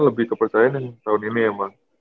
lebih kepercayaan yang tahun ini emang